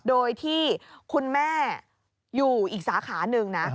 โดยที่คุณแม่อยู่อีกสาขาหนึ่งนะ